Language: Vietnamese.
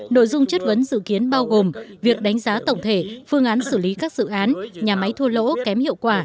nội dung chất vấn dự kiến bao gồm việc đánh giá tổng thể phương án xử lý các dự án nhà máy thua lỗ kém hiệu quả